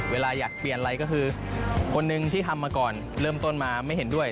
เวลาอยากเปลี่ยนอะไรก็คือคนหนึ่งที่ทำมาก่อนเริ่มต้นมาไม่เห็นด้วย